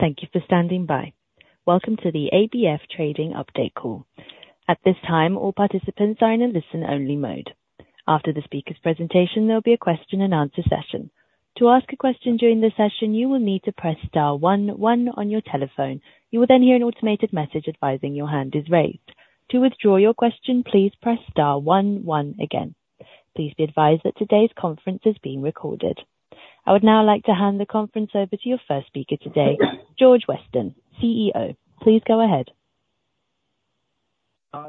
Thank you for standing by. Welcome to the ABF Trading Update call. At this time, all participants are in a listen-only mode. After the speaker's presentation, there'll be a question-and-answer session. To ask a question during the session, you will need to press star one one on your telephone. You will then hear an automated message advising your hand is raised. To withdraw your question, please press star one one again. Please be advised that today's conference is being recorded. I would now like to hand the conference over to your first speaker today, George Weston, CEO. Please go ahead.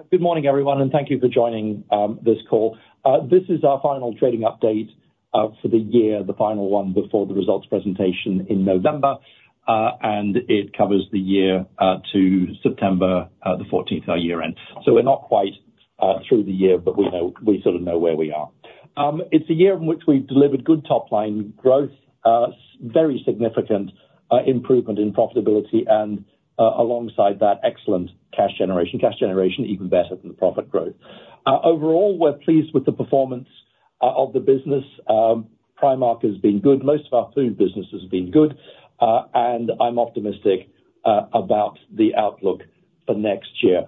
Good morning, everyone, and thank you for joining this call. This is our final trading update for the year, the final one before the results presentation in November, and it covers the year to September the fourteenth, our year-end. So we're not quite through the year, but we sort of know where we are. It's a year in which we've delivered good top line growth, very significant improvement in profitability and, alongside that, excellent cash generation. Cash generation even better than the profit growth. Overall, we're pleased with the performance of the business. Primark has been good. Most of our food business has been good, and I'm optimistic about the outlook for next year.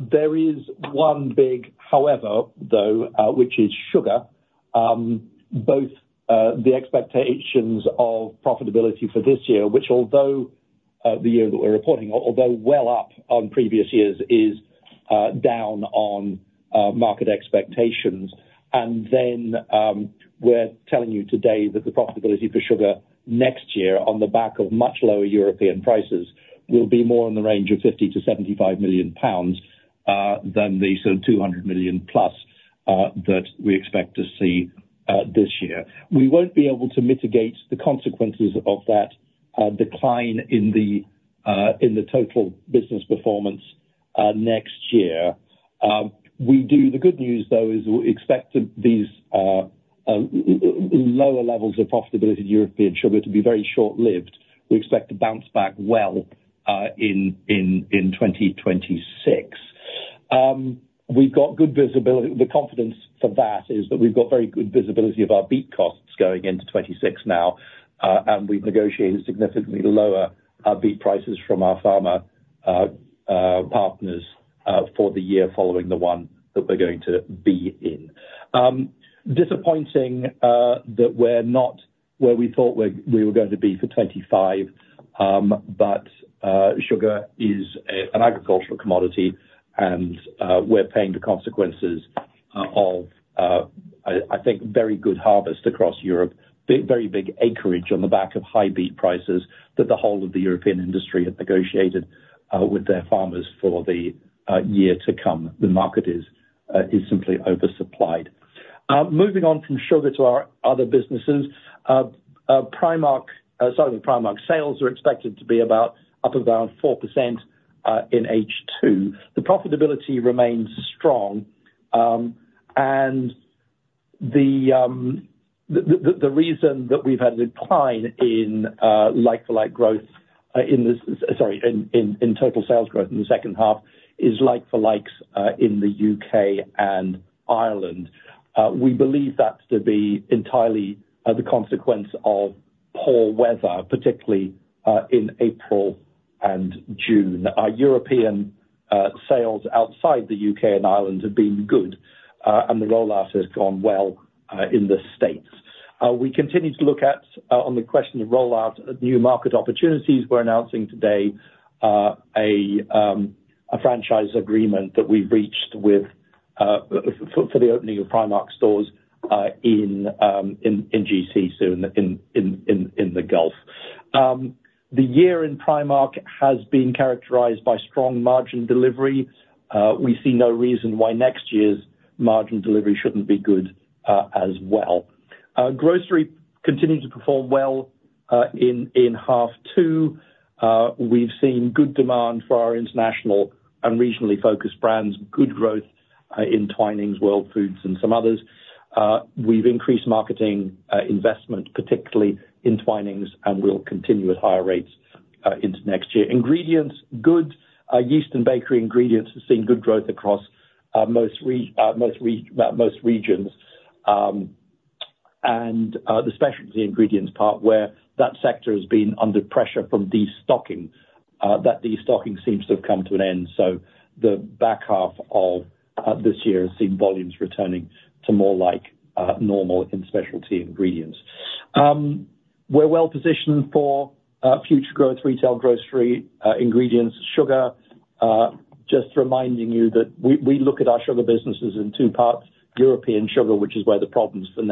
There is one big however, though, which is sugar. Both the expectations of profitability for this year, which although the year that we're reporting although well up on previous years is down on market expectations. And then, we're telling you today that the profitability for sugar next year, on the back of much lower European prices, will be more in the range of 50 million-75 million pounds than the sort of 200 million plus that we expect to see this year. We won't be able to mitigate the consequences of that decline in the total business performance next year. The good news, though, is we expect these lower levels of profitability in European sugar to be very short-lived. We expect to bounce back well in 2026. We've got good visibility. The confidence for that is that we've got very good visibility of our beet costs going into 2026 now, and we've negotiated significantly lower beet prices from our farmer partners for the year following the one that we're going to be in. Disappointing that we're not where we thought we were going to be for 2025, but sugar is an agricultural commodity, and we're paying the consequences of, I think, very good harvest across Europe. Big, very big acreage on the back of high beet prices that the whole of the European industry had negotiated with their farmers for the year to come. The market is simply oversupplied. Moving on from sugar to our other businesses, Primark sales are expected to be about up around 4% in H2. The profitability remains strong, and the reason that we've had a decline in like-for-like growth in this... Sorry, in total sales growth in the second half is like-for-likes in the UK and Ireland. We believe that to be entirely the consequence of poor weather, particularly in April and June. Our European sales outside the UK and Ireland have been good, and the rollout has gone well in the States. We continue to look at on the question of rollout, at new market opportunities. We're announcing today a franchise agreement that we've reached with for the opening of Primark stores in GCC, so in the Gulf. The year in Primark has been characterized by strong margin delivery. We see no reason why next year's margin delivery shouldn't be good as well. Grocery continued to perform well in half two. We've seen good demand for our international and regionally focused brands, good growth in Twinings, World Foods, and some others. We've increased marketing investment, particularly in Twinings, and we'll continue at higher rates into next year. Ingredients, good. Yeast and bakery ingredients have seen good growth across most regions. And the specialty ingredients part, where that sector has been under pressure from destocking, that destocking seems to have come to an end, so the back half of this year has seen volumes returning to more like normal in specialty ingredients. We're well positioned for future growth, Rita Ora, grocery, ingredients, sugar. Just reminding you that we look at our sugar businesses in two parts: European sugar, which is where the problems for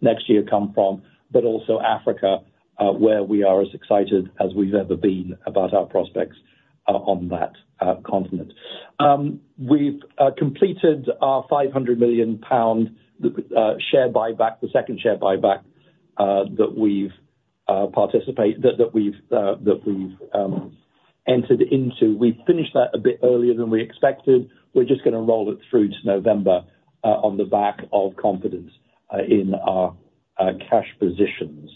next year come from, but also Africa, where we are as excited as we've ever been about our prospects on that continent. We've completed our 500 million pound share buyback, the second share buyback that we've entered into. We've finished that a bit earlier than we expected. We're just gonna roll it through to November, on the back of confidence, in our cash positions.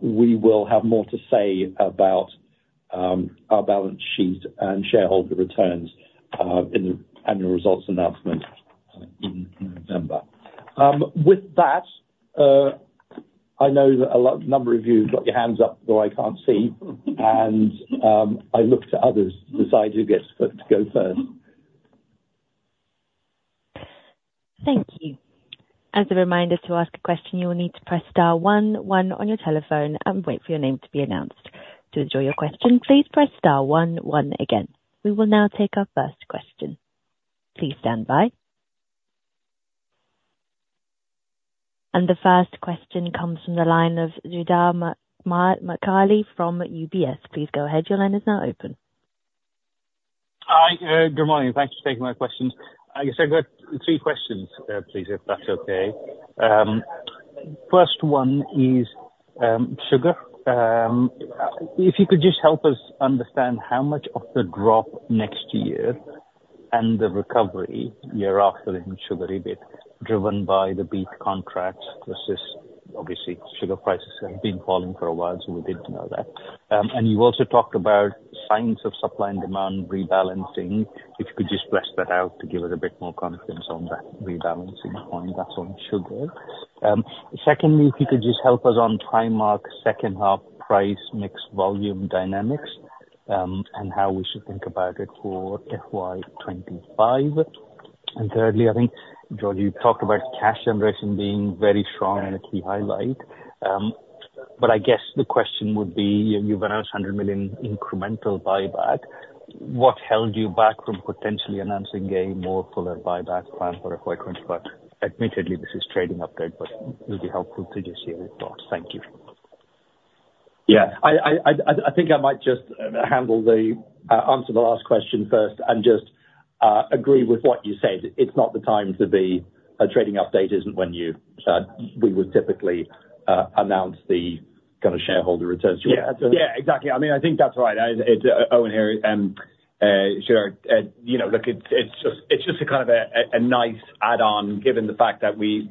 We will have more to say about our balance sheet and shareholder returns, in the annual results announcement in November. With that, I know that a lot of you have got your hands up, though I can't see. And, I look to others to decide who gets to go first. Thank you. As a reminder, to ask a question, you will need to press star one one on your telephone and wait for your name to be announced. To end your question, please press star one one again. We will now take our first question. Please stand by. And the first question comes from the line of Sreedhar Mahamkali from UBS. Please go ahead. Your line is now open. Hi, good morning, and thanks for taking my questions. I guess I've got three questions, please, if that's okay. First one is sugar. If you could just help us understand how much of the drop next year and the recovery year after in sugar EBIT, driven by the beet contracts versus obviously, sugar prices have been falling for a while, so we did know that. And you also talked about signs of supply and demand rebalancing. If you could just flesh that out to give it a bit more confidence on that rebalancing point, that's on sugar. Secondly, if you could just help us on Primark, second half price mix, volume, dynamics, and how we should think about it for FY 2025. Thirdly, I think, George, you talked about cash generation being very strong and a key highlight, but I guess the question would be, you've announced 100 million incremental buyback. What held you back from potentially announcing a more fuller buyback plan for FY 2025? Admittedly, this is trading update, but it would be helpful to just hear your thoughts. Thank you. Yeah, I think I might just handle the answer the last question first and just agree with what you said. It's not the time. A trading update isn't when we would typically announce the kind of shareholder returns. Yeah. Yeah, exactly. I mean, I think that's right. It's Eoin here, sure, you know, look, it's just a kind of a nice add-on, given the fact that we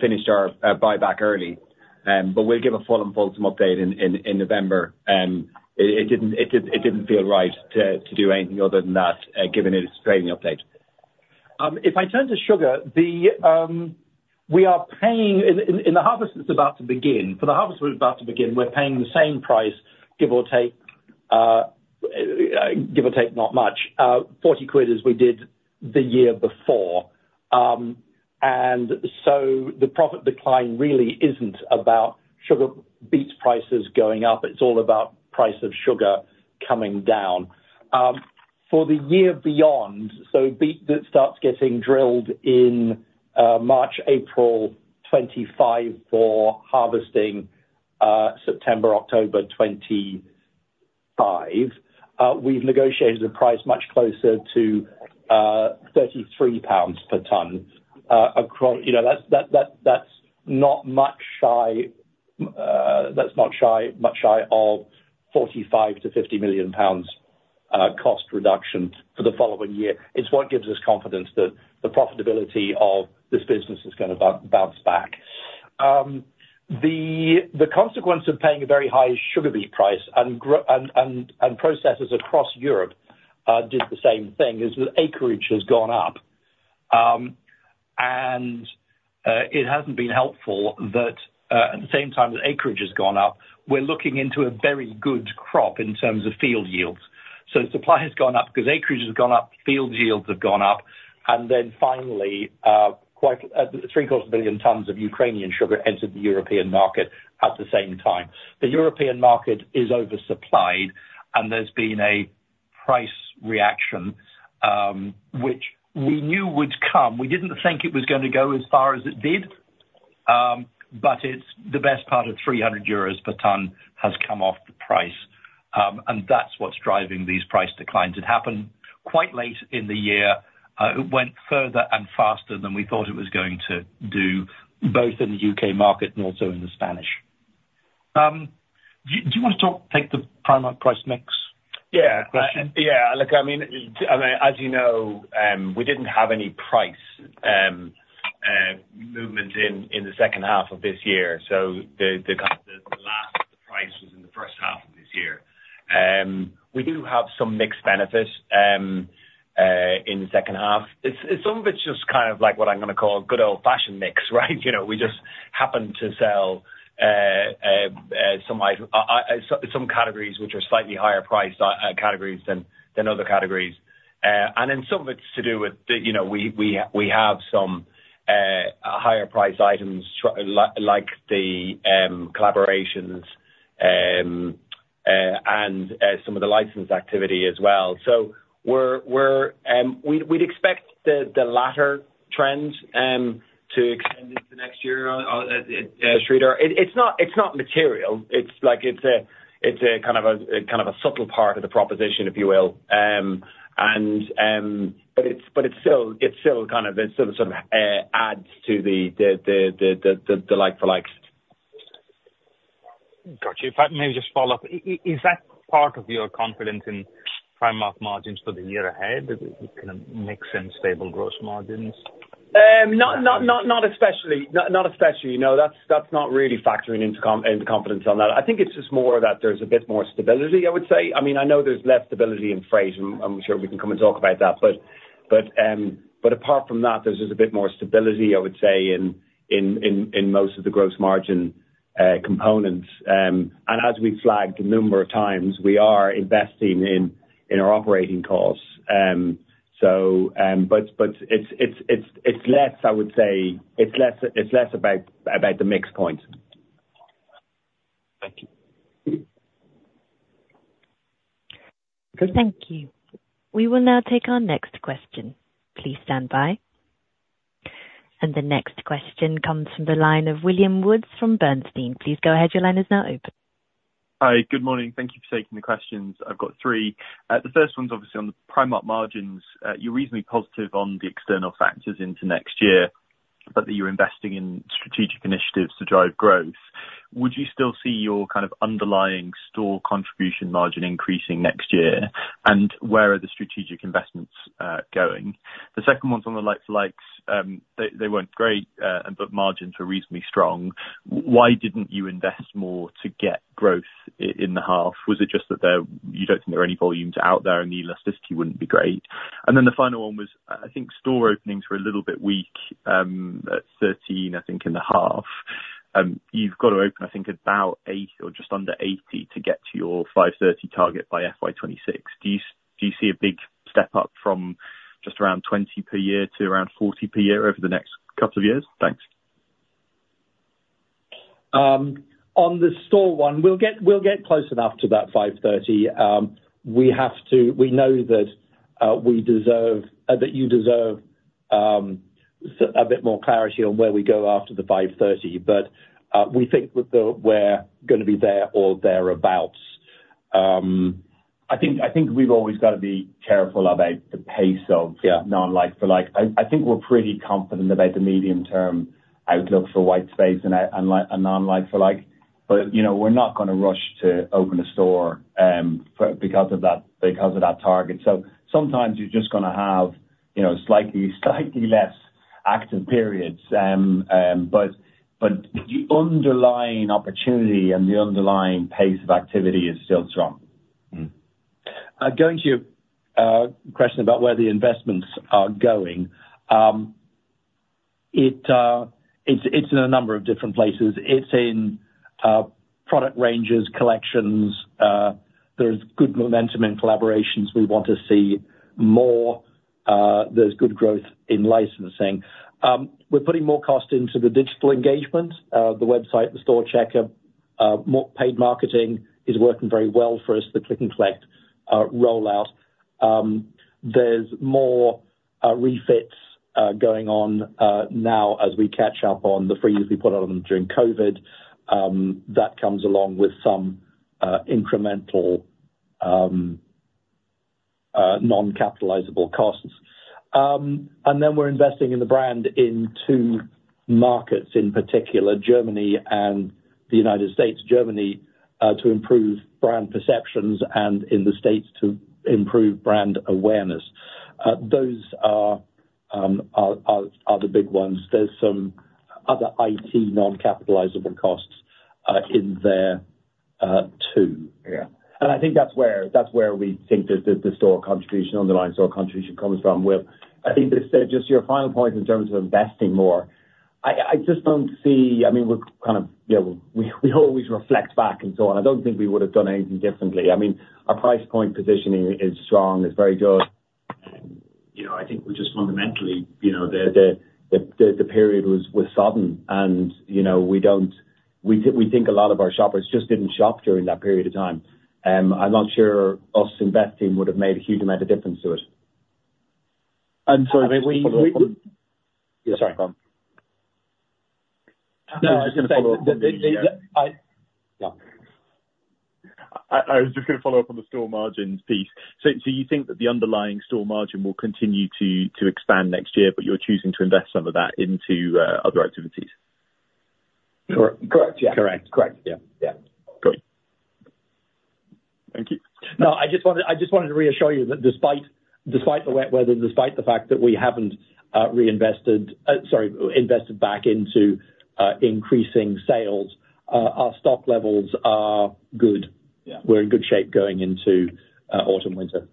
finished our buyback early. But we'll give a full and wholesome update in November, and it didn't feel right to do anything other than that, given it is a trading update. If I turn to sugar, we are paying in the harvest that's about to begin, for the harvest we're about to begin, the same price, give or take, not much, forty quid as we did the year before. And so the profit decline really isn't about sugar beet prices going up. It's all about price of sugar coming down. For the year beyond, so beet that starts getting drilled in March, April 2025 for harvesting September, October 2025, we've negotiated a price much closer to 33 pounds per ton. Across, you know, that's not much shy of GBP45-GBP50 milion cost reduction for the following year. It's what gives us confidence that the profitability of this business is gonna bounce back. The consequence of paying a very high sugar beet price, and growers and processors across Europe did the same thing, is that acreage has gone up. And it hasn't been helpful that at the same time that acreage has gone up, we're looking into a very good crop in terms of field yields. So supply has gone up because acreage has gone up, field yields have gone up, and then finally, quite 750 million tons of Ukrainian sugar entered the European market at the same time. The European market is oversupplied, and there's been a price reaction, which we knew would come. We didn't think it was going to go as far as it did, but it's the best part of 300 euros per ton has come off the price, and that's what's driving these price declines. It happened quite late in the year. It went further and faster than we thought it was going to do, both in the UK market and also in the Spanish. Do you want to talk, take the Primark price mix? Yeah. Question. Yeah, look, I mean, as you know, we didn't have any price movement in the second half of this year, so the last price was in the first half of this year. We do have some mixed benefit in the second half. It's some of it's just kind of like what I'm gonna call good old-fashioned mix, right? You know, we just happen to sell some categories which are slightly higher priced categories than other categories. And then some of it's to do with the, you know, we have some higher priced items, like the collaborations, and some of the license activity as well. So we'd expect the latter trend to extend into next year, Sreedhar. It's not material. It's like it's a kind of a subtle part of the proposition, if you will. But it's still kind of it sort of adds to the like for likes. Got you. If I may just follow up. Is that part of your confidence in Primark margins for the year ahead, the kind of mix and stable gross margins?... No, not especially. No, that's not really factoring into confidence on that. I think it's just more that there's a bit more stability, I would say. I mean, I know there's less stability in freight, and I'm sure we can come and talk about that. But apart from that, there's just a bit more stability, I would say, in most of the gross margin components. And as we've flagged a number of times, we are investing in our operating costs. So, but it's less, I would say. It's less about the mix point. Thank you. Thank you. We will now take our next question. Please stand by, and the next question comes from the line of William Woods from Bernstein. Please go ahead. Your line is now open. Hi, good morning. Thank you for taking the questions. I've got three. The first one's obviously on the Primark margins. You're reasonably positive on the external factors into next year, but that you're investing in strategic initiatives to drive growth. Would you still see your kind of underlying store contribution margin increasing next year? And where are the strategic investments going? The second one's on the like-for-likes. They weren't great, but margins were reasonably strong. Why didn't you invest more to get growth in the half? Was it just that there you don't think there are any volumes out there, and the elasticity wouldn't be great? And then the final one was, I think store openings were a little bit weak, at 13, I think, in the half. You've got to open, I think about eight or just under eighty to get to your 530 target by FY 2026. Do you see a big step up from just around 20 per year to around 40 per year over the next couple of years? Thanks. On the store one, we'll get close enough to that five thirty. We know that you deserve a bit more clarity on where we go after the 530 But we think that we're gonna be there or thereabout. I think we've always got to be careful about the pace of- Yeah... non-like-for-like. I think we're pretty confident about the medium-term outlook for white space and like and non-like-for-like. But, you know, we're not gonna rush to open a store because of that, because of that target. So sometimes you're just gonna have, you know, slightly less active periods. But the underlying opportunity and the underlying pace of activity is still strong. Going to your question about where the investments are going. It's in a number of different places. It's in product ranges, collections. There's good momentum in collaborations. We want to see more. There's good growth in licensing. We're putting more cost into the digital engagement, the website, the store checker, more paid marketing is working very well for us, the Click-and-Collect rollout. There's more refits going on now as we catch up on the freeze we put on them during COVID. That comes along with some incremental non-capitalizable costs, and then we're investing in the brand in two markets, in particular, Germany and the United States. Germany to improve brand perceptions and in the States to improve brand awareness. Those are the big ones. There's some other IT non-capitalizable costs in there too. Yeah. And I think that's where we think the store contribution, underlying store contribution comes from, Will. I think just your final point in terms of investing more, I just don't see. I mean, we're kind of, you know, we always reflect back and so on. I don't think we would have done anything differently. I mean, our price point positioning is strong, it's very good. You know, I think we're just fundamentally, you know, the period was sudden and, you know, we don't. We think a lot of our shoppers just didn't shop during that period of time. I'm not sure us investing would have made a huge amount of difference to it. I'm sorry, I was just gonna follow up on the store margins piece. So you think that the underlying store margin will continue to expand next year, but you're choosing to invest some of that into other activities? Correct. Correct, yeah. Correct. Correct, yeah. Yeah. Correct. Thank you. No, I just wanted to reassure you that despite the wet weather, despite the fact that we haven't invested back into increasing sales, our stock levels are good. Yeah. We're in good shape going into autumn, winter.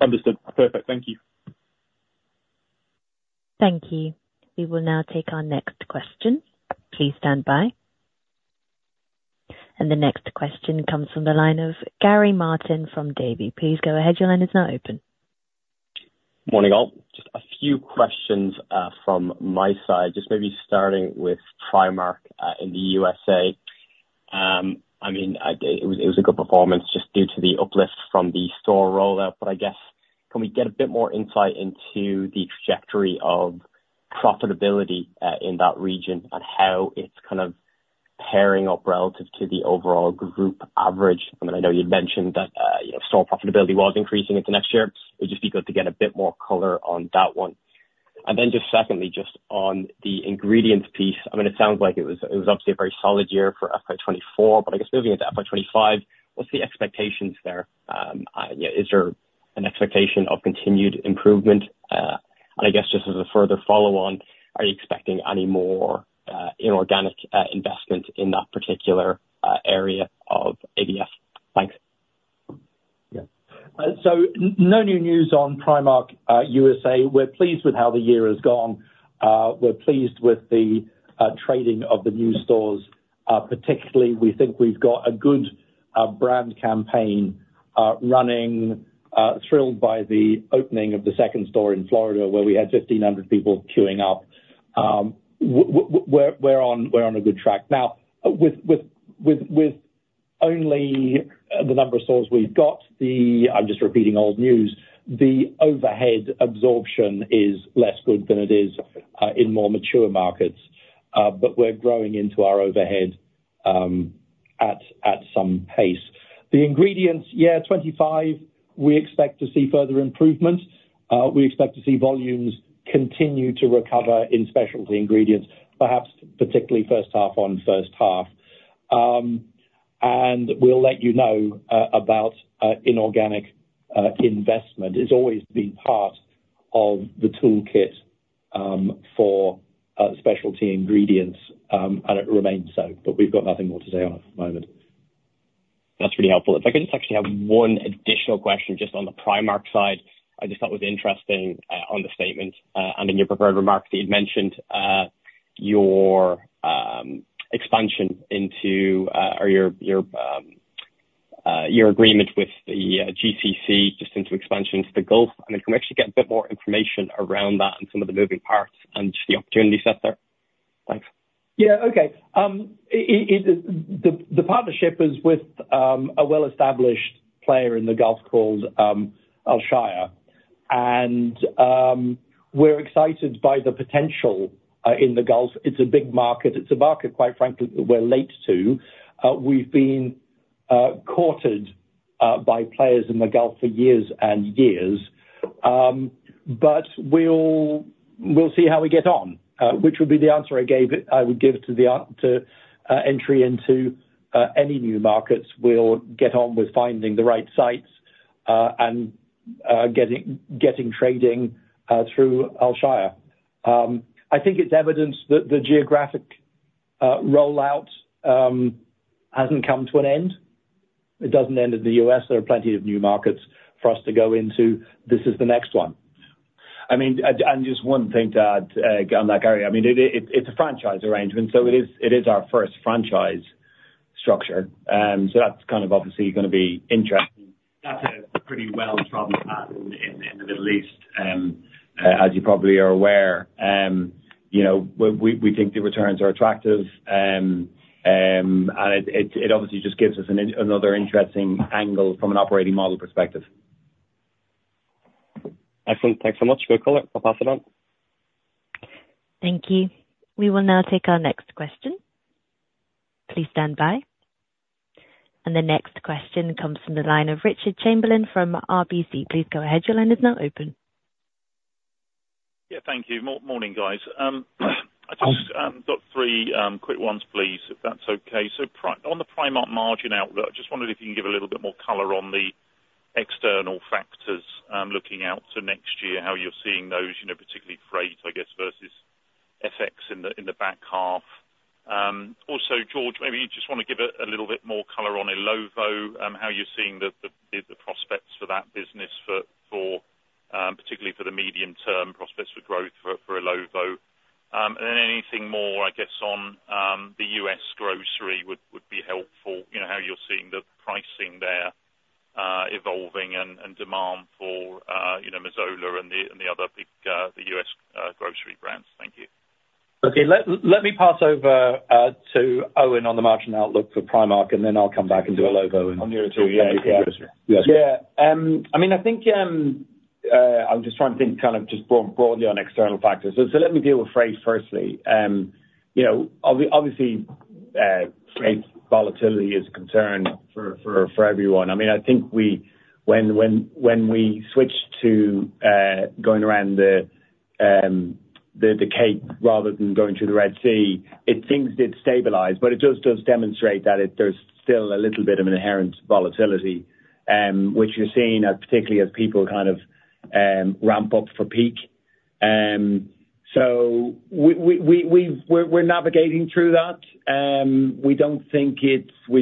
Understood. Perfect. Thank you. Thank you. We will now take our next question. Please stand by. And the next question comes from the line of Gary Martin from Davy. Please go ahead. Your line is now open. Morning, all. Just a few questions from my side. Just maybe starting with Primark in the USA. I mean, it was a good performance just due to the uplift from the store rollout. But I guess, can we get a bit more insight into the trajectory of profitability in that region and how it's kind of pairing up relative to the overall group average? I mean, I know you'd mentioned that you know, store profitability was increasing into next year. It'd just be good to get a bit more color on that one. And then just secondly, just on the ingredients piece, I mean, it sounds like it was obviously a very solid year for FY 2024, but I guess looking at the FY 2025, what's the expectations there? Yeah, is there an expectation of continued improvement?... I guess just as a further follow on, are you expecting any more, inorganic, investment in that particular, area of ABF? Thanks. Yeah. So no new news on Primark USA. We're pleased with how the year has gone. We're pleased with the trading of the new stores. Particularly, we think we've got a good brand campaign running, thrilled by the opening of the second store in Florida, where we had 1,500 people queuing up. We're on a good track. Now, with only the number of stores we've got, I'm just repeating old news, the overhead absorption is less good than it is in more mature markets, but we're growing into our overhead at some pace. The ingredients, yeah, 25, we expect to see further improvement. We expect to see volumes continue to recover in specialty ingredients, perhaps particularly first half on first half. And we'll let you know about inorganic investment. It's always been part of the toolkit for specialty ingredients, and it remains so, but we've got nothing more to say on it at the moment. That's pretty helpful. If I could just actually have one additional question, just on the Primark side. I just thought it was interesting, on the statement, and in your prepared remarks, that you'd mentioned, your expansion into or your agreement with the GCC, just into expansion into the Gulf. I mean, can we actually get a bit more information around that and some of the moving parts and just the opportunity set there? Thanks. Yeah. Okay. The partnership is with a well-established player in the Gulf called Alshaya, and we're excited by the potential in the Gulf. It's a big market. It's a market, quite frankly, that we're late to. We've been courted by players in the Gulf for years and years, but we'll see how we get on, which would be the answer I would give to entry into any new markets. We'll get on with finding the right sites and getting trading through Alshaya. I think it's evidence that the geographic rollout hasn't come to an end. It doesn't end in the US. There are plenty of new markets for us to go into. This is the next one. I mean, and just one thing to add, on that, Gary, I mean, it's a franchise arrangement, so it is, it is our first franchise structure, so that's kind of obviously gonna be interesting. That's a pretty well-established brand in the Middle East, as you probably are aware. You know, we think the returns are attractive, and it obviously just gives us another interesting angle from an operating model perspective. Excellent. Thanks so much. Good call. I'll pass it on. Thank you. We will now take our next question. Please stand by. And the next question comes from the line of Richard Chamberlain from RBC. Please go ahead. Your line is now open. Yeah, thank you. Morning, guys. I just got three quick ones, please, if that's okay. On the Primark margin outlook, I just wondered if you can give a little bit more color on the external factors, looking out to next year, how you're seeing those, you know, particularly freight, I guess, versus FX in the back half. Also, George, maybe you just wanna give a little bit more color on Illovo, how you're seeing the prospects for that business, particularly for the medium-term prospects for growth for Illovo. And then anything more, I guess, on the U.S. grocery would be helpful, you know, how you're seeing the pricing there evolving and demand for, you know, Mazola and the other big the U.S. grocery brands. Thank you. Okay. Let me pass over to Eoin on the margin outlook for Primark, and then I'll come back and do Illovo and- I'll do it, too. Yeah. Yeah. Yeah. I mean, I think, I'm just trying to think kind of just broadly on external factors. So, let me deal with freight firstly. You know, obviously, freight volatility is a concern for everyone. I mean, I think we... when we switched to going around the Cape rather than going through the Red Sea, things did stabilize, but it just does demonstrate that there's still a little bit of an inherent volatility, which you're seeing, particularly as people kind of ramp up for peak. So we are navigating through that. We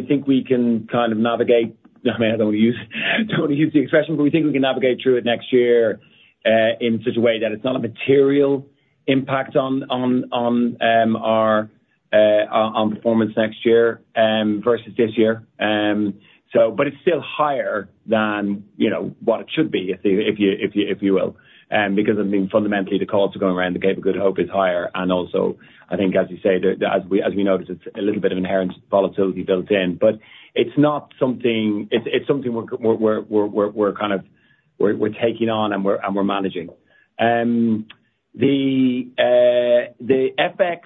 think we can kind of navigate. I mean, I don't want to use the expression, but we think we can navigate through it next year in such a way that it's not a material impact on our performance next year versus this year. So, but it's still higher than, you know, what it should be, if you will, because I mean, fundamentally, the cost of going around the Cape of Good Hope is higher, and also, I think, as you say, as we noted, it's a little bit of inherent volatility built in. But it's not something. It's something we're kind of taking on, and we're managing. The FX.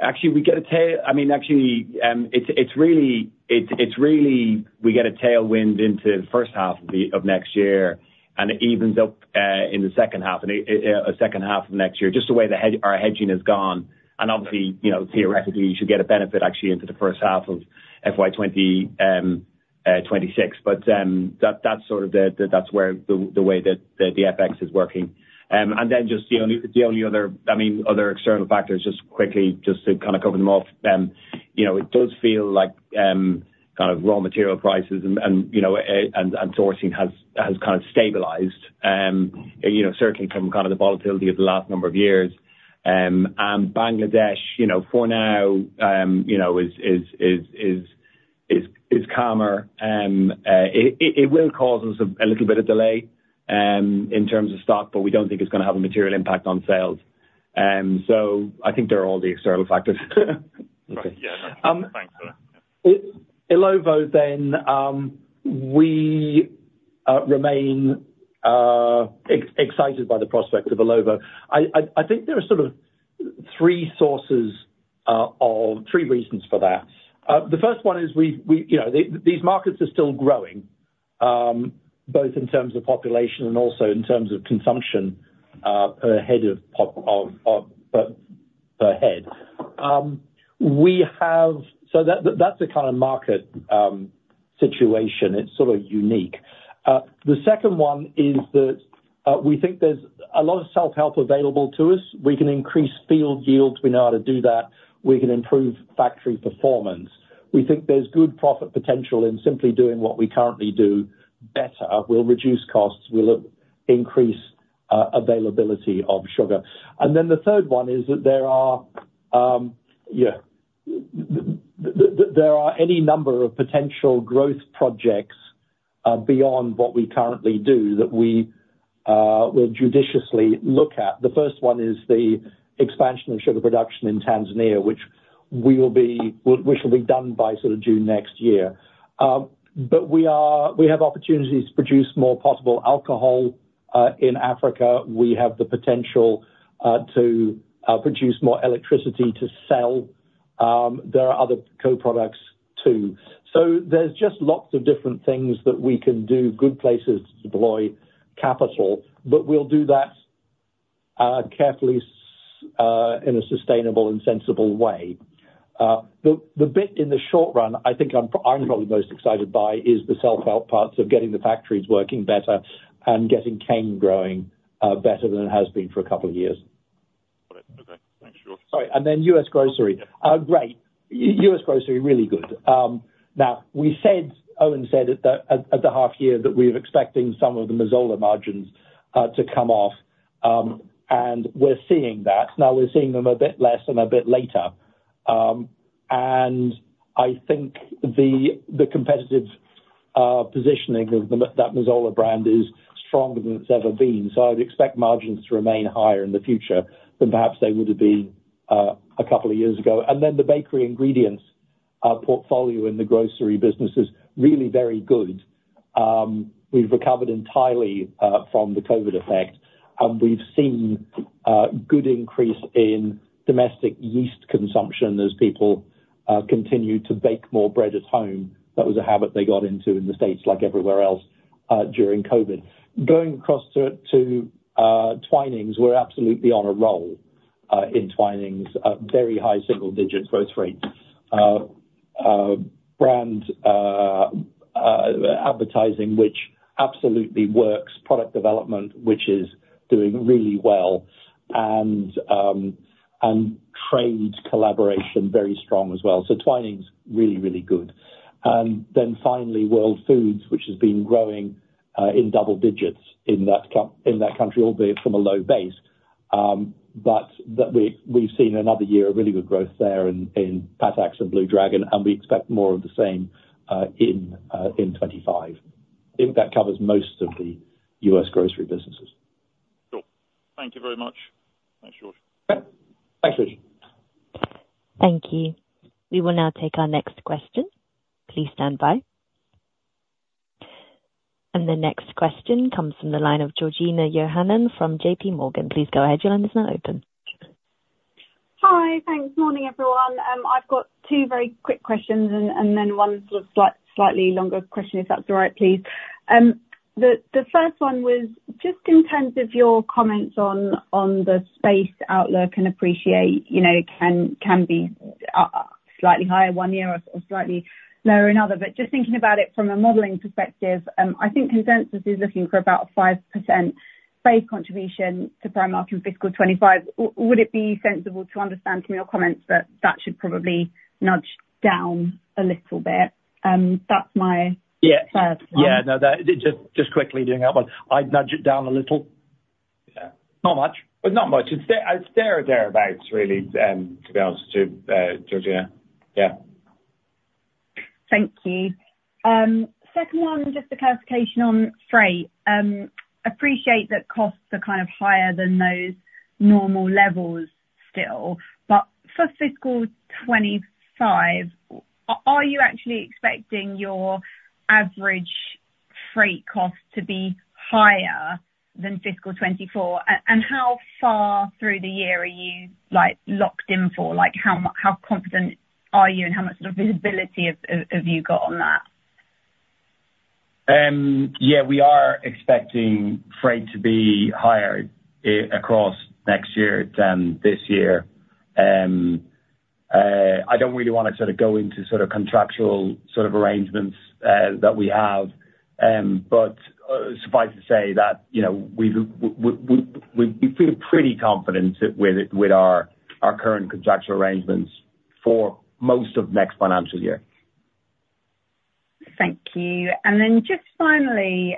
Actually, we get a tailwind. I mean, actually, it's really a tailwind into the first half of next year, and it evens up in the second half, and a second half of next year, just the way our hedging has gone, and obviously, you know, theoretically, you should get a benefit actually into the first half of FY 2026. but, that, that's sort of the, that's where the way that the FX is working. And then just the only other, I mean, other external factors, just quickly, just to kind of cover them off, you know, it does feel like kind of raw material prices and, you know, and sourcing has kind of stabilized, you know, certainly from kind of the volatility of the last number of years. And Bangladesh, you know, for now, you know, is calmer. It will cause us a little bit of delay in terms of stock, but we don't think it's gonna have a material impact on sales. So I think they're all the external factors. Right. Yeah. Thanks a lot. Illovo then, we remain excited by the prospect of Illovo. I think there are sort of three sources or three reasons for that. The first one is we you know these markets are still growing both in terms of population and also in terms of consumption per head. So that's a kind of market situation. It's sort of unique. The second one is that we think there's a lot of self-help available to us. We can increase field yields. We know how to do that. We can improve factory performance. We think there's good profit potential in simply doing what we currently do better. We'll reduce costs. We'll increase availability of sugar. And then the third one is that there are, yeah, there are any number of potential growth projects beyond what we currently do that we will judiciously look at. The first one is the expansion of sugar production in Tanzania, which will be done by sort of June next year. But we have opportunities to produce more bioethanol in Africa. We have the potential to produce more electricity to sell. There are other co-products, too. So there's just lots of different things that we can do, good places to deploy capital, but we'll do that carefully in a sustainable and sensible way. The bit in the short run, I think I'm probably most excited by, is the self-help parts of getting the factories working better and getting cane growing better than it has been for a couple of years. Got it. Okay. Thanks, George. Sorry, and then US grocery. Great. US grocery, really good. Now, we said, Eoin said at the half year that we're expecting some of the Mazola margins to come off, and we're seeing that. Now, we're seeing them a bit less and a bit later. And I think the competitive positioning of that Mazola brand is stronger than it's ever been, so I'd expect margins to remain higher in the future than perhaps they would have been a couple of years ago. And then the bakery ingredients, our portfolio in the grocery business is really very good. We've recovered entirely from the COVID effect, and we've seen good increase in domestic yeast consumption as people continue to bake more bread at home. That was a habit they got into in the States, like everywhere else, during COVID. Going across to Twinings, we're absolutely on a roll in Twinings. Very high single digit growth rate. Brand advertising, which absolutely works. Product development, which is doing really well. And trade collaboration, very strong as well. So Twinings, really, really good. And then finally, World Foods, which has been growing in double digits in that country, albeit from a low base, but we've seen another year of really good growth there in Patak's and Blue Dragon, and we expect more of the same in 2025. I think that covers most of the US grocery businesses. Sure. Thank you very much. Thanks, George. Okay. Thanks. Thank you. We will now take our next question. Please stand by. And the next question comes from the line of Georgina Johanan from J.P. Morgan. Please go ahead. Your line is now open. Hi. Thanks. Morning, everyone. I've got two very quick questions and then one sort of slightly longer question, if that's all right, please. The first one was just in terms of your comments on the sugar outlook, and I appreciate, you know, it can be slightly higher one year or slightly lower another. But just thinking about it from a modeling perspective, I think consensus is looking for about a 5% base contribution to Primark in fiscal 2025. Would it be sensible to understand from your comments that that should probably nudge down a little bit? That's my- Yeah. -first one. Yeah, no. Just quickly doing that one. I'd nudge it down a little. Yeah. Not much, but not much. It's there, it's there or thereabouts, really, to be honest to Georgina. Yeah. Thank you. Second one, just a clarification on freight. Appreciate that costs are kind of higher than those normal levels still, but for fiscal 2025, are you actually expecting your average freight cost to be higher than fiscal 2024? And how far through the year are you, like, locked in for? Like, how confident are you, and how much sort of visibility have you got on that?... Yeah, we are expecting freight to be higher across next year than this year. I don't really wanna sort of go into sort of contractual sort of arrangements that we have, but suffice to say that, you know, we feel pretty confident with our current contractual arrangements for most of next financial year. Thank you. And then just finally,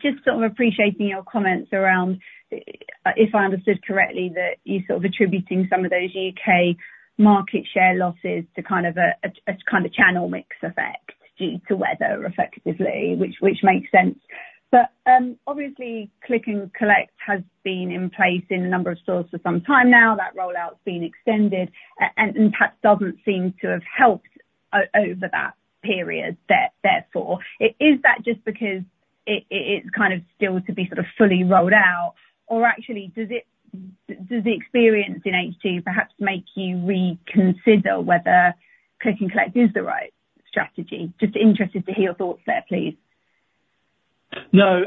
just sort of appreciating your comments around, if I understood correctly, that you're sort of attributing some of those U.K. market share losses to kind of a kind of channel mix effect due to weather, effectively, which makes sense. But obviously, Click-and-Collect has been in place in a number of stores for some time now. That rollout's been extended, and perhaps doesn't seem to have helped over that period, therefore. Is that just because it's kind of still to be sort of fully rolled out? Or actually, does the experience in H2 perhaps make you reconsider whether Click-and-Collect is the right strategy? Just interested to hear your thoughts there, please. No,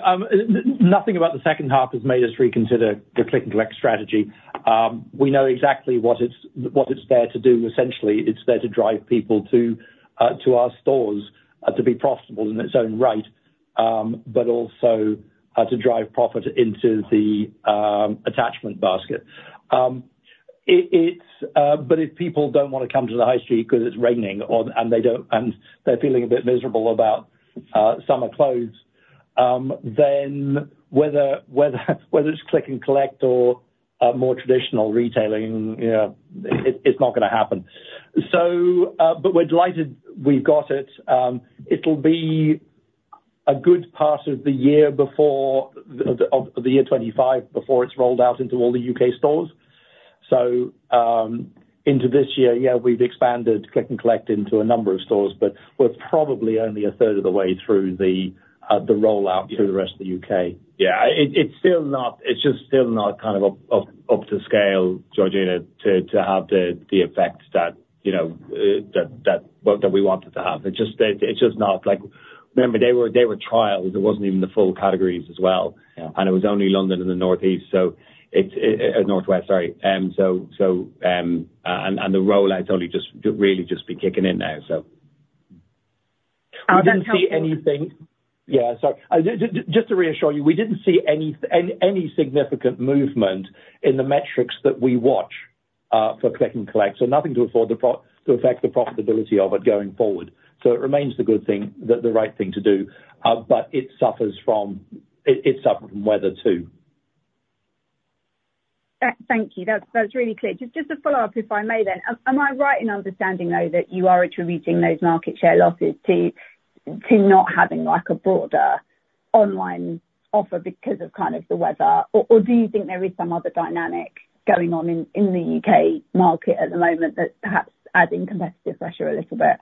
nothing about the second half has made us reconsider the Click-and-Collect strategy. We know exactly what it's there to do. Essentially, it's there to drive people to our stores to be profitable in its own right, but also to drive profit into the attachment basket, but if people don't wanna come to the high street because it's raining or they're feeling a bit miserable about summer clothes, then whether it's Click-and-Collect or more traditional retailing, you know, it's not gonna happen, but we're delighted we've got it. It'll be a good part of the year 2025 before it's rolled out into all the U.K. stores. Into this year, yeah, we've expanded Click and Collect into a number of stores, but we're probably only a third of the way through the rollout through the rest of the U.K. Yeah. It's still not kind of up to scale, Georgina, to have the effect that, you know, that well, that we want it to have. It's just not like... Remember, they were trials. It wasn't even the full categories as well. Yeah. It was only London and the North West, so it, North West, sorry. So, and the rollout's only just really just be kicking in now, so. That's helpful. We didn't see anything. Yeah, sorry. Just to reassure you, we didn't see any significant movement in the metrics that we watch for Click and Collect, so nothing to affect the profitability of it going forward. So it remains the good thing, the right thing to do, but it suffered from weather, too. Thank you. That's really clear. Just to follow up, if I may then, am I right in understanding, though, that you are attributing those market share losses to not having, like, a broader online offer because of kind of the weather? Or do you think there is some other dynamic going on in the UK market at the moment that perhaps adding competitive pressure a little bit?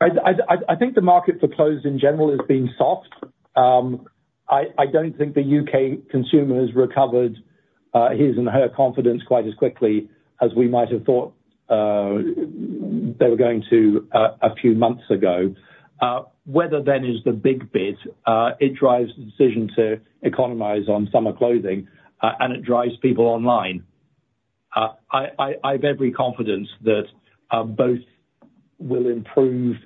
I think the market for clothes in general has been soft. I don't think the UK consumer has recovered his and her confidence quite as quickly as we might have thought they were going to a few months ago. Weather then is the big bit. It drives the decision to economize on summer clothing and it drives people online. I've every confidence that both will improve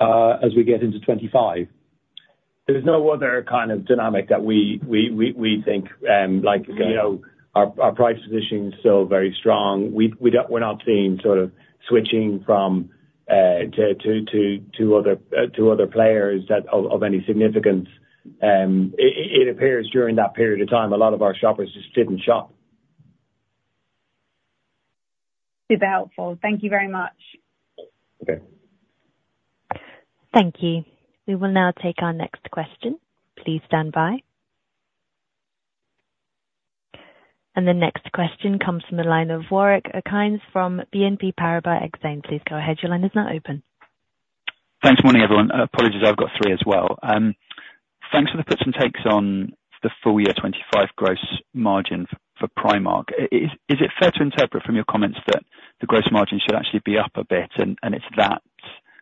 as we get into 2025. There's no other kind of dynamic that we think, like, you know, our price position is still very strong. We don't. We're not seeing sort of switching from to other players that of any significance. It appears during that period of time, a lot of our shoppers just didn't shop. Super helpful. Thank you very much. Okay. Thank you. We will now take our next question. Please stand by, and the next question comes from the line of Warwick Okines from BNP Paribas Exane. Please go ahead. Your line is now open. Thanks. Morning, everyone. Apologies, I've got three as well. Thanks for the puts and takes on the full year 2025 gross margin for Primark. Is it fair to interpret from your comments that the gross margin should actually be up a bit, and it's that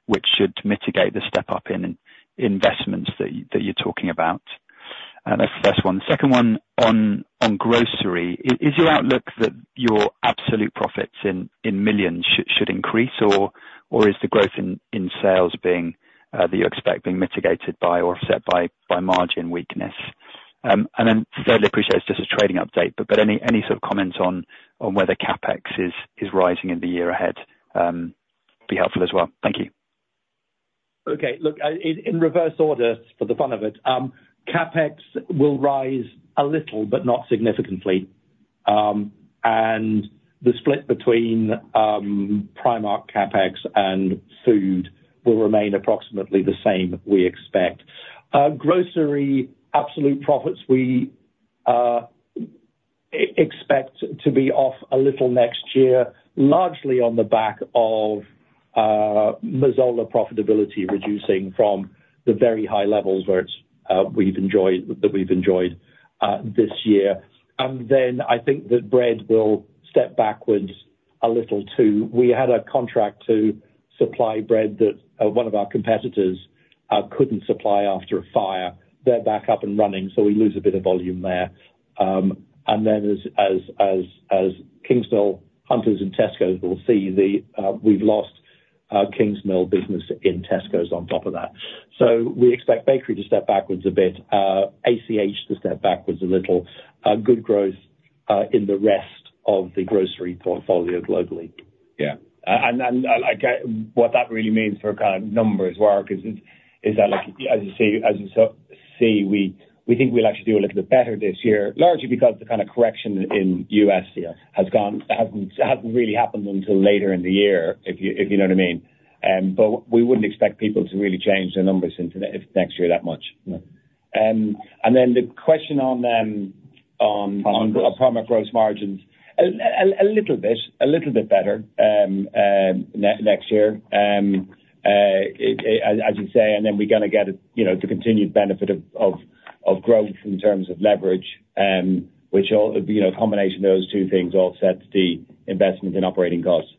which should mitigate the step up in investments that you're talking about? And that's the first one. Second one, on grocery, is your outlook that your absolute profits in millions should increase, or is the growth in sales that you expect being mitigated by or offset by margin weakness? And then thirdly, appreciate it's just a trading update, but any sort of comments on whether CapEx is rising in the year ahead be helpful as well. Thank you. Okay. Look, in reverse order, for the fun of it, CapEx will rise a little, but not significantly. And the split between Primark CapEx and food will remain approximately the same, we expect. Grocery absolute profits, we expect to be off a little next year, largely on the back of Mazola profitability reducing from the very high levels where it's, we've enjoyed this year. And then I think that bread will step backwards a little, too. We had a contract to supply bread that one of our competitors couldn't supply after a fire. They're back up and running, so we lose a bit of volume there. And then in Kingsmill, Hovis, and Tesco's, we'll see that we've lost Kingsmill business in Tesco's on top of that. We expect bakery to step backwards a bit, ACH to step backwards a little, good growth in the rest of the grocery portfolio globally. Yeah. Like, what that really means for kind of numbers work is that, like, as you see, we think we'll actually do a little bit better this year, largely because the kind of correction in US hasn't really happened until later in the year, if you know what I mean. But we wouldn't expect people to really change their numbers into next year that much. And then the question on them, on- Gross. On gross profit margins. A little bit better next year. As you say, and then we're gonna get, you know, the continued benefit of growth in terms of leverage, which all, you know, a combination of those two things offsets the investment in operating costs.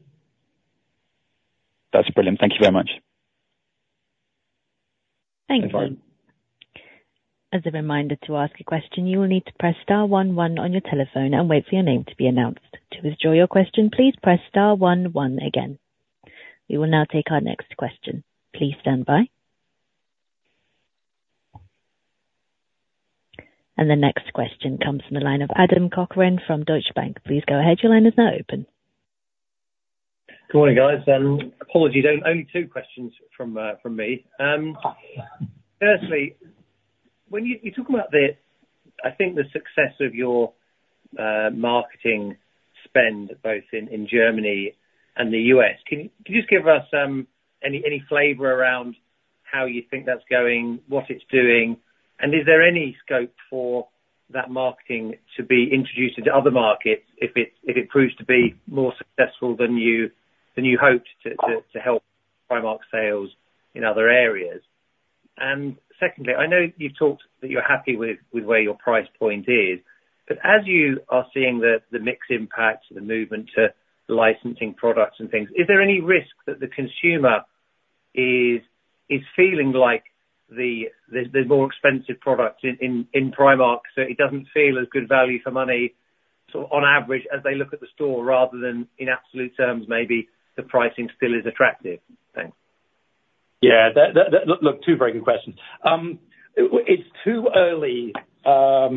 That's brilliant. Thank you very much. Thank you. Bye-bye. As a reminder, to ask a question, you will need to press star one one on your telephone and wait for your name to be announced. To withdraw your question, please press star one one again. We will now take our next question. Please stand by, and the next question comes from the line of Adam Cochrane from Deutsche Bank. Please go ahead. Your line is now open. Good morning, guys. Apologies, only two questions from me. Firstly, when you talk about the... I think the success of your marketing spend, both in Germany and the US, can you just give us any flavor around how you think that's going, what it's doing? And is there any scope for that marketing to be introduced into other markets if it proves to be more successful than you hoped to help Primark sales in other areas? Secondly, I know you've talked that you're happy with where your price point is, but as you are seeing the mix impact, the movement to licensing products and things, is there any risk that the consumer is feeling like there's more expensive products in Primark, so it doesn't feel as good value for money, so on average, as they look at the store, rather than in absolute terms, maybe the pricing still is attractive? Thanks. Yeah. Look, two very good questions. It's too early for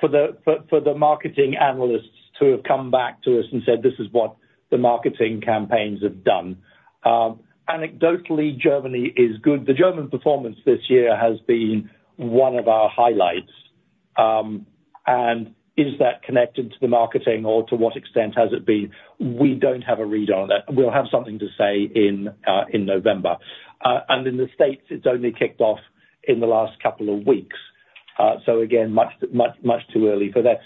the marketing analysts to have come back to us and said, "This is what the marketing campaigns have done." Anecdotally, Germany is good. The German performance this year has been one of our highlights. Is that connected to the marketing or to what extent has it been? We don't have a read on that. We'll have something to say in November. And in the States, it's only kicked off in the last couple of weeks. So again, much too early for that.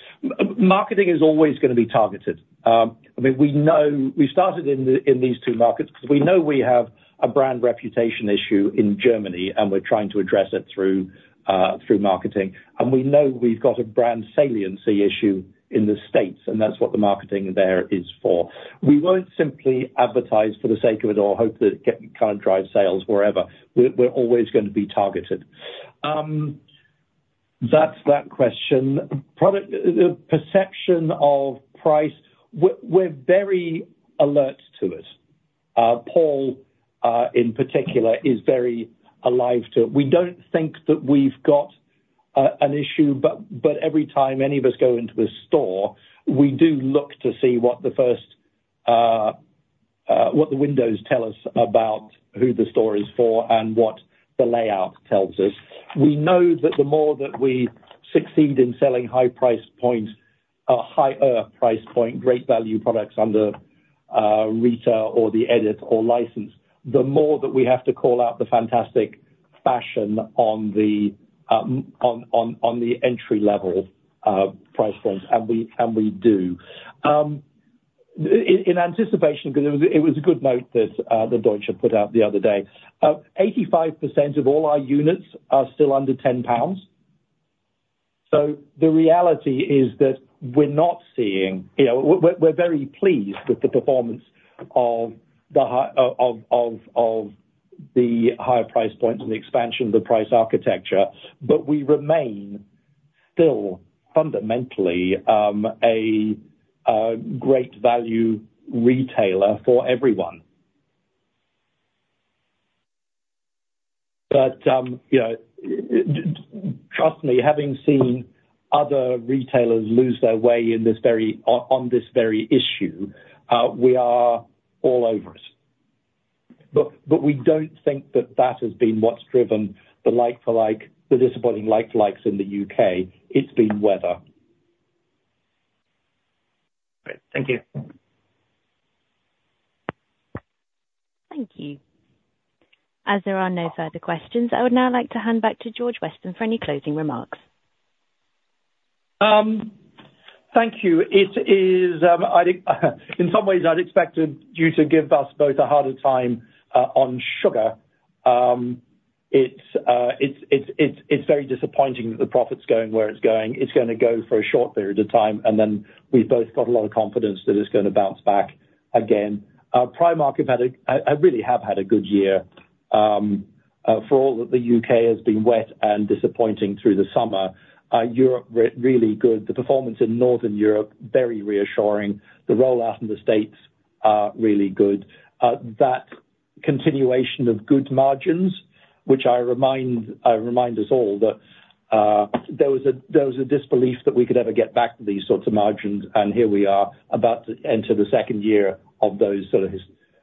Marketing is always gonna be targeted. I mean, we know... We started in these two markets because we know we have a brand reputation issue in Germany, and we're trying to address it through marketing, and we know we've got a brand saliency issue in the States, and that's what the marketing there is for. We won't simply advertise for the sake of it or hope that it get drive sales wherever. We're always gonna be targeted. That's that question. Product perception of price, we're very alert to it. Paul, in particular, is very alive to it. We don't think that we've got an issue, but every time any of us go into a store, we do look to see what the windows tell us about who the store is for and what the layout tells us. We know that the more that we succeed in selling high price points, higher price point, great value products under Rita Ora or The Edit or license, the more that we have to call out the fantastic fashion on the on the entry-level price points, and we and we do. In anticipation, because it was a good note that the Deutsche put out the other day, 85% of all our units are still under 10 pounds. So the reality is that we're not seeing. You know, we're very pleased with the performance of the high the higher price points and the expansion of the price architecture, but we remain still fundamentally a great value retailer for everyone. But, you know, trust me, having seen other retailers lose their way in this very issue, we are all over it. But, we don't think that that has been what's driven the like-for-like, the disappointing like-for-likes in the UK. It's been weather. Great. Thank you. Thank you. As there are no further questions, I would now like to hand back to George Weston for any closing remarks. Thank you. In some ways, I'd expected you to give us both a harder time on sugar. It's very disappointing that the profit's going where it's going. It's gonna go for a short period of time, and then we've both got a lot of confidence that it's gonna bounce back again. Our Primark has really had a good year. For all that the U.K. has been wet and disappointing through the summer, Europe really good. The performance in Northern Europe very reassuring. The rollout in the States really good. That continuation of good margins, which I remind us all that there was a disbelief that we could ever get back to these sorts of margins, and here we are, about to enter the second year of those sort of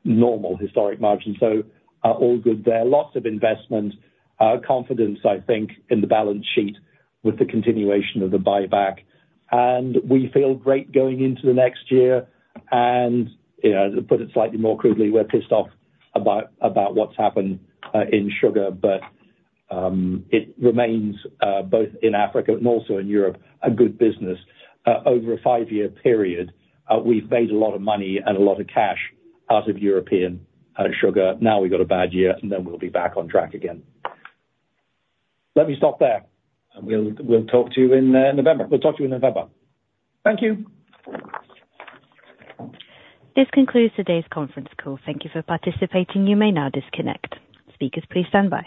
historic margins. So all good there. Lots of investment confidence, I think, in the balance sheet with the continuation of the buyback. And we feel great going into the next year, and you know, to put it slightly more crudely, we're pissed off about what's happened in sugar, but it remains both in Africa and also in Europe a good business. Over a five-year period we've made a lot of money and a lot of cash out of European sugar. Now we've got a bad year, and then we'll be back on track again. Let me stop there, and we'll talk to you in November. We'll talk to you in November. Thank you. This concludes today's conference call. Thank you for participating. You may now disconnect. Speakers, please stand by.